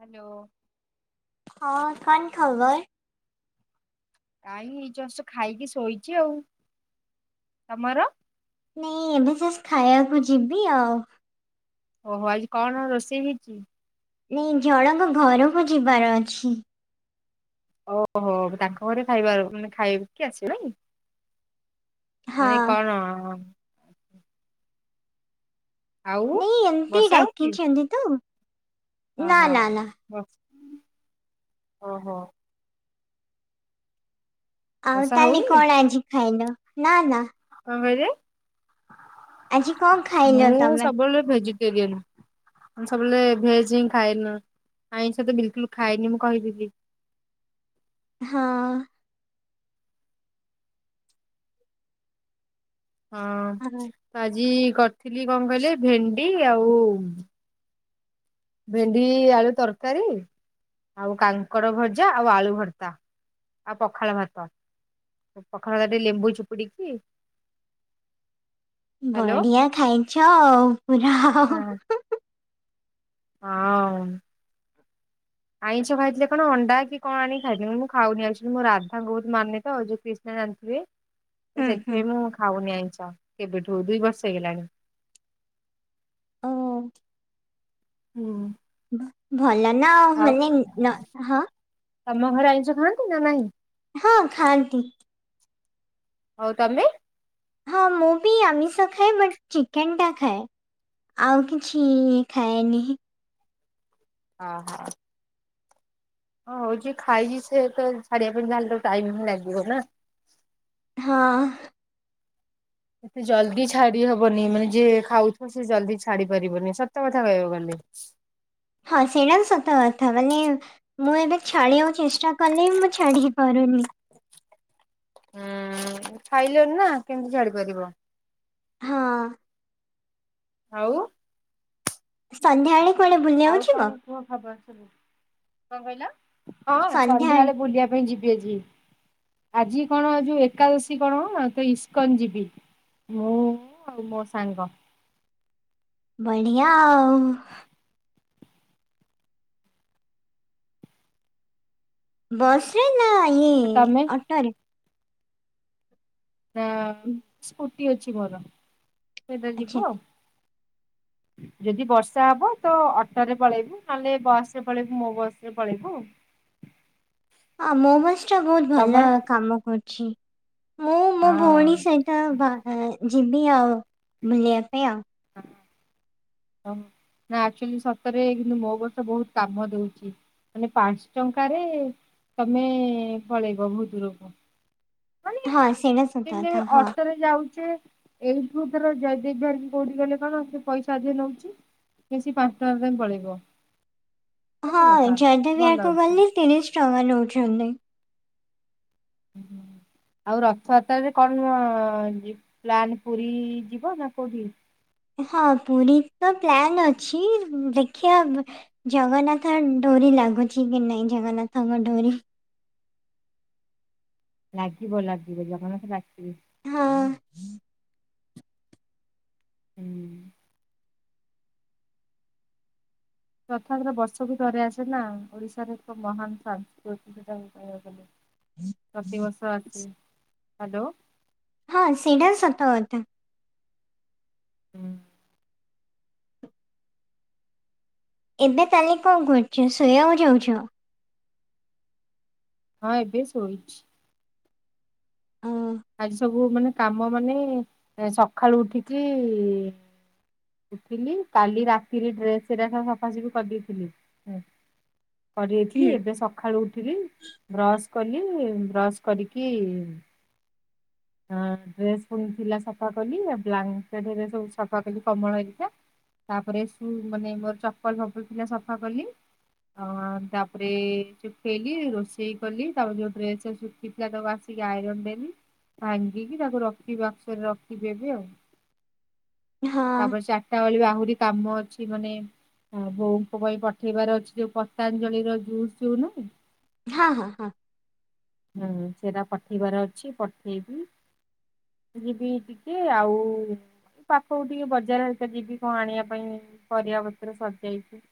Hello. ହଁ କନ୍ ଖବର? କାଇଁ ଇଞ୍ଜଷ ଖାଇକି ଶୋଇଛି ଆଉ, ତମର? ନାଇଁ ଏବେ ଯଷ୍ଟ ଖାଇବାକୁ ଯିବି ଆଉ। ଓହୋ ଆଜି କଣ ରୋଷେଇ ହେଇଚି? ନାଇ ଜଣଙ୍କ ଘରକୁ ଯିବାର ଅଛି। ଓହୋ ତାଙ୍କ ଘରେ ଖାଇବାର ମାନେ ଖାଇକି ଆସିବେ ନାଇଁ। ହଁ ମାନେ କଣ? ଆଉ ନାଇଁ ଏମିତି ବର୍ଷା ଡାକିଛନ୍ତି ତ। ଅ ନା ହୋ ନା ନା। ଓ ଓହୋ। ଆଉ ବର୍ଷା ତାହଲେ ହଉନି? କଣ ଆଜି ଖାଇଲ ନା ନା। କଣ କହିଲେ ଆଜି କଣ ଖାଇଲ ମୁଁ ତମେ? ସବୁବେଳେ ଭେଜିଟେରିଆନ୍। ମୁ ସବୁବେଳେ ଭେଜ ହିଁ ଖାଏ ନ ଆାଇଁଷ ତ ବିଲକୁଲ୍ ଖାଏନି ମୁଁ କହିଥିଲି। ହଁ। ହଁ ହଁ, ତ ଆଜି କରିଥିଲି କଣ କହିଲେ ଭେଣ୍ଡି ଆଉ ଭେଣ୍ଡି ଆଳୁ ତରକାରୀ ଆଉ କାଙ୍କଡ ଭଜା ଆଉ ଆଳୁ ଭର୍ତ୍ତା ଆଉ ପଖାଳ ଭାତ। ପଖାଳରେ ଟିକେ ଲେମ୍ବୁ ଚୁପୁଡିକି ହ୍ୟାଲୋ ବଢିଆ ଖାଇଛ ଆଉ ପୁରା ଆଉ। ହଁ। [inaudible] ଆଇଁଷ ଖାଇଥିଲେ କଣ ଅଣ୍ଡା କି କଣ ଆଣି ଖାଇଥିଲି ମୁଁ ଖାଉନି ଆକଚୁଆଲି ମୋ ରାଧାଙ୍କୁ ବୋହୁତ ମାନେତ [unintelligible] ନା ଜାଣିଥିବେ ତ ହୁଁ ହୁଁ। ସେଥିପାଇଁ ମୁଁ ଖାଉନି ଆଇଁଷ କେବେଠୁ ଦୁଇ ବର୍ଷ ହେଇଗଲାଣି। ଅହଁ। ହୁଁ। ଭଲ ନା ଆଉ ମାନେ ନ ହଁ। ତମ ଘରେ ଆଇଁଷ ଖାଆନ୍ତି ନା ନାହିଁ? ହଁ ଖାଆନ୍ତି। ଆଉ ତମେ? ହଁ ମୁଁ ବି ଆମିଷ ଖାଏ ବଟ୍ ଚିକେନ ଟା ଖାଏ। ଆଉ କିଛି ଖାଏନି ହିଁ। ଅଁ ହଁ। ହଁ ହଉଚି ସେ ତ ଛାଡିବା ପାଇଁ ତାହେଲେ ତାକୁ ଟାଇମ ହିଁ ଲାଗିବ ନା। ହଁ। ଏତେ ଜଲ୍ଦି ଛାଡି ହବନି ମାନେ ଯିଏ ଖାଉଥିବ ସେ ଜଲ୍ଦି ଛାଡି ପାରିବନି ସତ କଥା କହିବାକୁ ଗଲେ। ହଁ ସେଇଟା ତ ସତ କଥା ମାନେ ମୁଁ ଏବେ ଛାଡିବାକୁ ଚେଷ୍ ଯା କଲେ ବି ମୁଁ ଛାଡିି ପାରୁନି। ଉୁଁ ଖାଇଲୁଣିନା କେମିତି ଛାଡି ପାରିବ। ହଁ। ଆଉ ସନ୍ଧ୍ୟାବେଳେ କୁଆଡେ ବୁଲିବାକୁ ଆଉ ଯିବ? କଣ କୁହ ଖବର ସବୁ। କଣ କହିଲ ହଁ ସନ୍ଧ୍ୟାବେଳେ ବୁଲିବା ପାଇଁ ଯି ବି ଆଜି। ଆଜି କଣ ଯୋଉ ଏକାଦଶୀ କଣ ତ ଇସ୍କନ୍ ଯିବି। ମୁଁ ଆଉ ମୋ ସାଙ୍ଗ। ବଢିଆ ଆଉ। ବସ୍ ରେ ନାହିଁ ତମେ ଅଟୋରେ। ନା ସ୍କୁଟି ଅଛି ମୋର ସେଇଥିରେ ଆଚ୍ଛା ଯିବୁ ଆଉ। ଯଦି ବର୍ଷା ହବ ତ ଅଟୋ ରେ ପଳେଇବୁ। ନହେଲେ ବସ୍ ରେ ପଳେଇବୁ ମୋ ବସ୍। ରେ ପଳେଇବୁ। ଆ ମୋ ବସ୍ ଟା ବହୁତ୍ ଭଲ ତମର କାମ କରୁଚି। ମୁଁ ମୋ ଭଉଣୀ ହଁ। ସହିତ ବା ଯିବି ଆଉ ବୁଲିବା ପାଇଁ ଆଉ। ହଁ। ନା ଆକ୍ଚୁଆଲି ସତରେ କିନ୍ତୁ ମୋ ବସ୍ ଟା ବହୁତ୍ କାମ ଦଉଚି। ମାନେ ପାଞ୍ଚ ଟଙ୍କାରେ ତମେ ପଳେଇବ ବହୁତ ଦୂରକୁ। ହଁ ସେଇଟା [unintelligible] ସତ ଦିନେ କଥା ହଁ। ଅଟୋ ରେ ଯାଉଚେ ଏଇଠୁ ଧର ଜୟଦେବ ବିହାର କି କୋଉଠିକି ଗଲେ କଣ ସେ ପଇସା ଅଧିକ ନଉଚି। ସେଇ ପାଞ୍ଚ ଟଙ୍କାରେ ତମେ ପଳେଇବ। ସତ ହଁ କଥା ଜୟଦେବ ଭଲ ବିହାର କୁ ଅଛି। ଗଲେ ତିରିଶ୍ ଟଙ୍କା ନଉଛନ୍ତି। ଆଉ ରଥଯାତ୍ରାରେ କଣ ପ୍ଲାନ୍ ପୁରୀ ଯିବ ନା କୋଉଠିକି? ହଁ ପୁରୀ ତ ପ୍ଲାନ୍ ଅଛି। ଦେଖିଆ ଜଗନ୍ନାଥ ଡୋରି ଲାଗୁଚି କି ନାଇଁ ଜଗନ୍ନାଥଙ୍କ ଡୋରି। ଲାଗିବ ଲାଗିବ ଜଗନ୍ନାଥ ଡାକିବେ। ହଁ। ହୁଁ। ରଥଯାତ୍ରା ବର୍ଷକୁ ଥରେ ଆସେ ନା। ଓଡିଶାରେ ଏକ ମହାନ ସାସ୍କୃତିକ [unintelligible] କହିବାକୁ ଗଲେ। ପ୍ରତି ବର୍ଷ ଆସେ। ହାଲୋ। ହଁ ସେଇଟା ତ ସତ କଥା। [inaudible] ଏବେ ତାହେଲେ କଣ କରୁଚ ଶୋଇବାକୁ ଯାଉଚ? ହଁ ଏବେ ଶୋଇଚି। ଉଁ। ଆଜି ସବୁ ମାନେ କାମ ମାନେ ସଖାଳୁ ଉଠିକି ଉଠିଲି। କାଲି ରାତିରେ ଡ୍ରେସ୍ ରା ସବୁ ସଫାସଫି କରିଦେଇଥିଲି। କରି ହଁ ଦେଇଥିଲି ଏବେ ସ ସଖାଳୁ ଉଠିଲି ବ୍ରସ୍ କଲି, ବ୍ରଶ୍ କରିକି ହଁ ଡ୍ରେସ୍ ପୁଣି ଥିଲା ସଫା କଲି। ବ୍ଲାଙ୍କେଟ୍ ହେରିକା ସବୁ ସଫା କଲି କମ୍ୱଳ ହେରିକା। ତାପରେ ଶୁ ମାନେ ମୋର ଚପଲ ଫପଲ ଥିଲା ସଫା କଲି। ଅ ତାପରେ ସୁଖେଇଲି ରୋଷେଇ କଲି ତାପରେ ଯୋଉ ଡ୍ରେସ୍ ଗୁରା ଶୁଖେ ଶୁଖିଥିଲା ତକ ଆସିକି ଆଇରନ୍ ଦେଲି। ଭାଙ୍ଗିକି ତାକୁ ରଖିବି ବାକ୍ସରେ ରଖିବି ଏବେ ଆଉ। ତାପରେ ଚା ଚାରିଟା ବେଳେ ବି ଆହୁରି କାମ ଅଛି। ମାନେ ଆଉ ବୋଉଙ୍କ ପାଇଁ ପଠେଇବାର ଅଛି ଯୋଉ ପତାଞ୍ଜଳି ର ଜୁସ ଯଉ ନୁହୁଁ ହଁ ହଁ ହଁ। ହୁଁ। ସେରା ପଠେଇବାର ଅଛି ପଠେଇବି। ଯିବି ଟିକେ। ଆଉ ପାଖକୁ ଟିକେ ବଜାର ହେରିକା ଯିବି କଣ ଆଣିବା ପାଇଁ ପରିବା ପତ୍ର ସରିଯାଇଚି।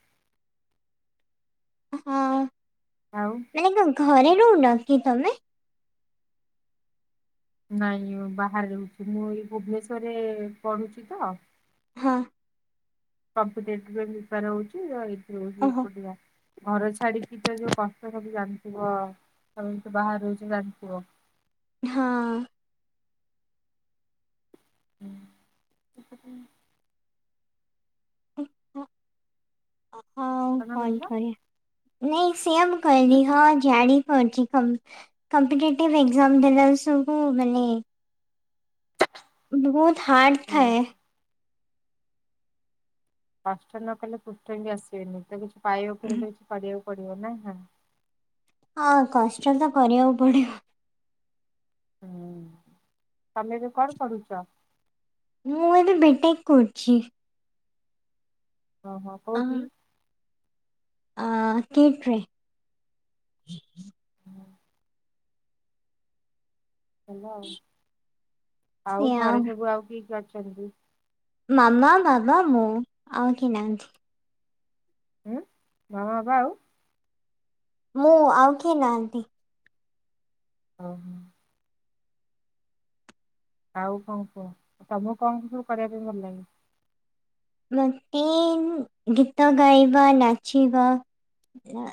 ହଁ। ଆଉ ମାନେ କଣ ଘରେ ରହୁନକି ତମେ? ନାଇଁ ବାହାରେ ରହୁଛି ମୁଁ ଏଇ ଭୁବନେଶ୍ଵରରେ-ଏ-ଏ ପଢୁଛି ତ। ହଁ। କମ୍ପିଟେଟିଭ ପାଇଁ ପ୍ରିପାର ହଉଚି ଏଇଠି ରହୁଛି ଓହୋ ଏକୁଟିଆ। ଘର ଛାଡିକି ତ ଯୋଉ କଷ୍ଟ ସବୁ ଜାଣିଥିବ ତମେ ବି ତ ବାହାରେ ରହୁଛ ଜାଣିଥିବ। ହଁ। ହୁଁ [unintelligible] [unintelligible] କଣ କହିଲ ନାଇଁ ସେମ୍ କହିନି ହଁ ଜାଣିପାରୁଛି କମ୍ କମ୍ପିଟେଟିଭ୍ ଏକ୍ଜାମ ଦେଲା ବେଳୁ ସବୁ ମାନେ ବହୁତ ହାର୍ଡ ଥାଏ। କଷ୍ଟ ନ କଲେ କୃଷ୍ଟ ବି ଆସିବେନି ତ କିଛି ପାଇବାକୁ ହେଲେ କିଛି ଛାଡିବାକୁ ପଡିବ ନାଁ। ହଁ କଷ୍ଟ ତ କରିବାକୁ ପଡିବ। ହୁଁ ତମେ ଏବେ କଣ ପଢୁଛ? ମୁଁ ଏବେ ବି ଟେକ୍ କରୁଛି। ଓହୋ କୋଉଠି? ଆଁ-ଆ କିଇଟିରେ। ହଁ ହେଲା ଆଉ ଆଉ ଘରେ ସବୁ ଆଉ କିଏ କିଏ ଅଛନ୍ତି? ମାମ, ବାବା, ମୁଁ ଆଉ କେହି ନାହାଁନ୍ତି। ଉଁ ମାମା ବାବା ଆଉ ମୁଁ ଆଉ କିଏ ନାହାନ୍ତି। ଓ ହୋ। ଆଉ କଣ କୁହ ତମକୁ କଣ ସବୁ କରିବାକୁ ଭଲ ଲାଗେ? ମୋତେ-ଏ-ଏ ଗୀତ ଗାଇବା, ନାଚିବା ନା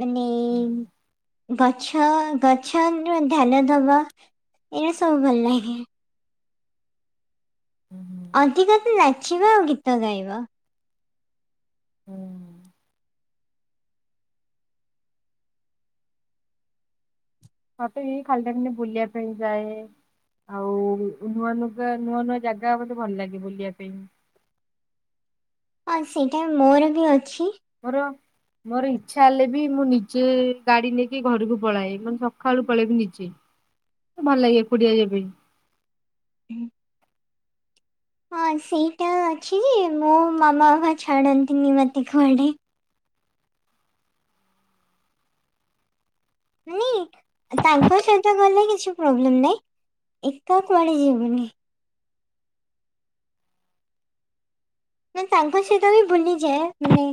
ମାନେ-ଏ-ଏ ଗଛ ଗଛନୁ ଧ୍ୟାନ ଦବା ଏଇରା ସବୁ ଭଲ ଲାଗେ। ହୁଁ ହୁଁ। ଅଧିକା ତ ନାଚିବା ଆଉ ଗୀତ ଗାଇବା। ହୁଁ ମତେ ଏଇ ଖାଲି ଟାମ୍ ରେ ବୁଲିବା ପାଇଁ ଯାଏ-ଏ-ଏ। ଆଉ-ଉ-ଉ ନୂଆ ନୂଗା ନୂଆ ନୂଆ ଜାଗା ମତେ ଭଲ ଲାଗେ ବୁଲିବା ପାଇଁ। ଆ ସେଇଟା ମୋର ବି ଅଛି। ମୋର ମୋର ଇଚ୍ଛା ହେଲେ ବି ମୁଁ ନିଜେ ଗାଡି ନେଇକି ଘରକୁ ପଳାଏ ମାନେ ସକାଳୁ ପଳେଇବି ନିଜେ। ଭଲ ଲାଗେ ଏକୁଟିଆ ଯିବା ପାଇଁ। ହଁ ସେଇଟା ଅଛି ଯେ ମୋ ମାମା ବାପା ଛାଡ଼ନ୍ତିନି ମୋତେ କୁଆଡ଼େ। ମାନେ ତାଙ୍କ ସହିତ ଗଲେ କିଛି ପ୍ରୋବ୍ଲେମ ନାଇଁ। ଏକା କୁଆଡ଼େ ଯିବୁନି। ମେନ୍ ତାଙ୍କ ସହିତ ବି ବୁଲିଯାଏ ମାନେ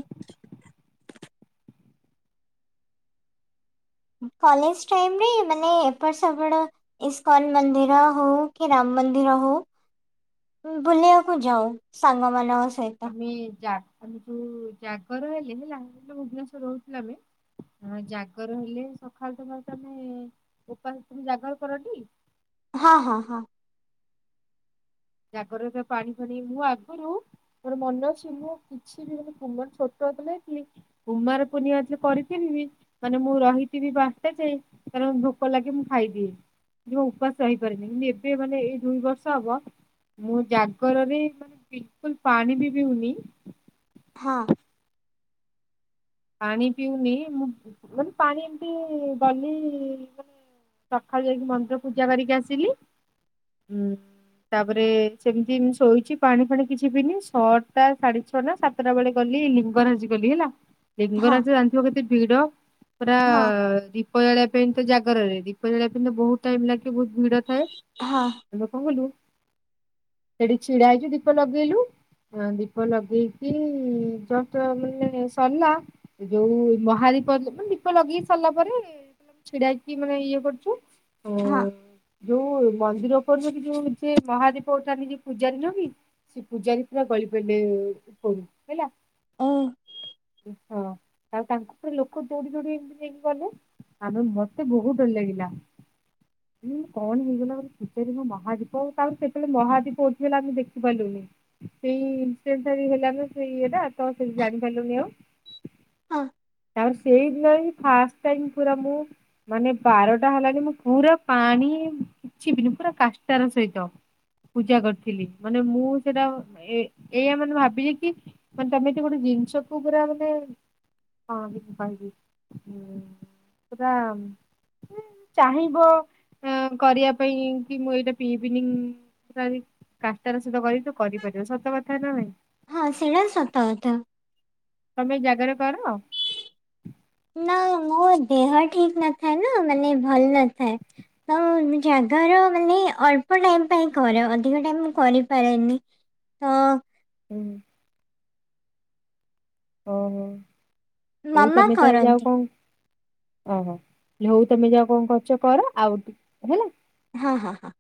କଲେଜ ଟାଇମରେ ମାନେ ଏପଟ ସେପଟ ଇସ୍କନ ମନ୍ଦିର ହଉ କି ରାମ ମନ୍ଦିର ହଉ ଉ ବୁଲିବାକୁ ଯାଉ ସାଙ୍ଗମାନଙ୍କ ସହିତ। କି ଯାଜପୁରୁ ଜାଗର ହେଲେ ହେଲା [unintelligible] ଭୁବନେଶ୍ଵର ରହୁଥିଲୁ ଆମେ ହଁ ଜାଗର ହେଲେ ସକାଳୁ ସକାଳ ତମେ ଉପାସ ତମେ ଜାଗର କର ଟି? ହଁ ହଁ ହ। ଜାଗର ଏବେ ପାଣି ଫାଣି ମୁଁ ଆଗରୁ-ଉ-ଉ ମୋର ମନେ ଅଛି ମୁଁ କିଛି ବି ମାନେ ମୋର ଛୋଟ ହେଇଥିଲି କି କୁମାର ପୁର୍ଣ୍ଣିମା ଯେତେବେଳେ କରିଥିଲି ବି ମାନେ ମୁଁ ରହିଥିବି ବାରଟା ଯାଏ କାରଣ ଭୋକ ଲାଗେ ମୁଁ ଖାଇଦିଏ। ଜମା ଉପାସ ସହିପାରେନି କିନ୍ତୁ ଏବେ ମାନେ ଏଇ ଦୁଇ ବର୍ଷ ହବ ମୁଁ ଜାଗରରେ ମାନେ ବିଲକୁଲ ପାଣି ବି ପିଉନି ହଁ।। ପାଣି ପିଉନି ମୁଁ ମାନେ ପାଣି ଏମିତି ଗଲି ମାନେ ସକାଳୁ ଯାଇକି ମନ୍ଦିର ପୂଜା କରିକି ଆସିଲି ହୁଁ। ତାପରେ ସେମିତି ଶୋଇଛି ପାଣି ଫାଣି କିଛି ପିଇନି ଛ ଟା ଶାଢେ ଛ ନା ସାତଟା ବେଳେ ଗଲି ଲିଙ୍ଗରାଜି ଗଲି ହେଲା। ହଁ ଲିଙ୍ଗରାଜ ଜାଣିଥିବ କେତେ ଭିଡ ପୁରା ହଁ ହଁ ଦୀପ ଜାଳିିବା ପାଇଁ ତ ଜାଗରରେ ଦୀପ ଜାଳିିବା ପାଇଁ ତ ବହୁତ ଟାଇମ ଲାଗେ ବହୁତ ଭିଡ ଥାଏ। ହଁ। ଧୁପ ଖୋଲିଲୁ ସେଠି ଛିଡା ହେଇଛୁ ଦୀପ ଲଗେଇଲୁ।। ଦୀପ ଲଗେଇକି ଜଷ୍ଟ ମାନେ ସରିଲା ଯୋଉ ମହାଦୀପ ମାନେ ଦୀପ ଲଗେଇକି ସରିଲା ପରେ। ଛିଡାକି ମାନେ ଇଏ କରୁଛୁ। ହଁ ଯୋଉ ମନ୍ଦିର ଉପରେରୁ କି ଯୋଉ ସେ ମହାଦୀପ ଉଠାନ୍ତିି ଯୋଉ ପୂଜାଦିନ କି? ସେ ପୂଜାବୀପ ଟା ଗଳିପଇଲେ ଉପରୁ ହେଲା ଉଁ। ହଁ ଆଉ। ତାଙ୍କୁ ପୁରା ଲୋକ ଦୋଡି ଦୋଡି ଏମିତି ନେଇକି ଗଲେ ଆମେ ମତେ ବହୁତ ଡର୍ ଲାଗିଲା। ହୁଁ କଣ ହେଇଗଲା ବୋଲି ପଚାରି କ କାରଣ ଯେତେବେଳେ ମହାଦୀପ ଉଠି ଆମେ ଦେଖିପାରିଲୁନି। ସେଇ [unintelligible] ହେଲାନା ସେ ଇଏଟା ତ ସେଠି ଜାଣିପାରିଲୁନି ଆଉ। ହଁ। ତାପରେ ସେଇ ଦିନ ହିଁ ଫାଷ୍ଟ ଟାଇମ୍ ପୁର ମୁଁ ମାନେ ବାରଟା ହେଲାଣି ମୁଁ ପୁରା ପାଣି କିଛିବି ନୁଁହଁ ପୁରା କାଷ୍ଟାର ସହିତ ପୂଜା କରିଥିଲି ମାନେ ମୁଁ ସେଇଟା ଏ ଏଇଆ ମାନେ ଭାବିଛି କି ମାନ ତମେ ଯଦି ଗୋଟେ ଜିିନିଷକୁ ପୁରା ମାନେ ହଁ କହି ବି ପୁରା ଚାହିଁବ କରିବା ପାଇଁ କି ମୁଁ ଏଇଟା ପିିଇବିନି ପଚାରି କାଷ୍ଟାର ସହିତ କରିଚୁ କରିପାରିବୁ ସତ କଥା ନ ନାଇଁ। ହୁ ସେଟା ସତ କଥ। ତମେ ଜାଗର କର? ନା ମୋ ଦେହ ଠିକ୍ ନଥାଏ ନା ମାନେ ଭଲ ନଥାଏ। ମ ଜାଗାର ମାନେ ଅଳ୍ପ ଟାଇମ ପାଇଁ କରେ ଅଧିକ ଟାଇମ କରିପାରେନି। ହଁ। ହୁଁ। ଓହୋ ହୋଉ ମାମା ତମେ ତରେ ଯାଅ କରନ୍ତି କଣ ଓହୋ ହଉ ତମେ ଯା କଣ କରୁଛ କର ଆଉ ଟିକେ ହେଲା। ହଁ ହଁ ହଁ।